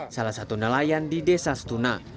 salah satu nelayan di desa setuna